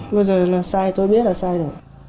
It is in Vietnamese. bây giờ là sai tôi biết là sai rồi